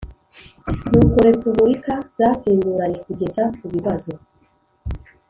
n'uko repubulika zasimburanye kugeza ku bibazo